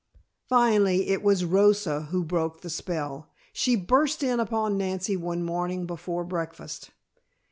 Finally, it was Rosa who broke the spell. She burst in upon Nancy one morning before breakfast.